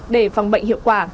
để phòng bệnh hiệu quả